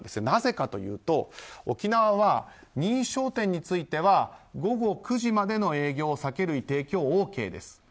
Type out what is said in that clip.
なぜかというと沖縄は認証店については午後９時までの営業酒類提供ＯＫです。